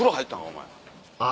お前。